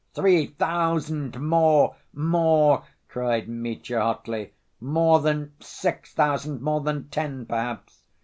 "Three thousand! More, more," cried Mitya hotly; "more than six thousand, more than ten, perhaps.